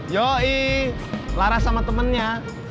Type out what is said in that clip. yoi laras sama temennya